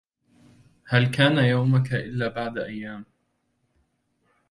هل كان يومك إلا بعد أيام